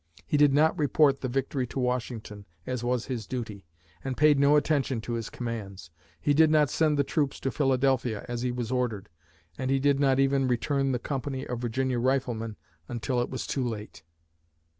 He did not report the victory to Washington, as was his duty, and paid no attention to his commands. He did not send the troops to Philadelphia, as he was ordered, and he did not even return the company of Virginia riflemen until it was too late.